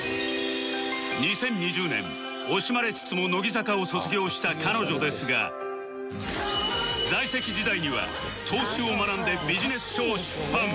２０２０年惜しまれつつも乃木坂を卒業した彼女ですが在籍時代には投資を学んでビジネス書を出版